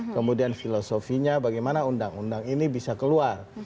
kemudian filosofinya bagaimana undang undang ini bisa keluar